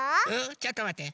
ちょっとまって。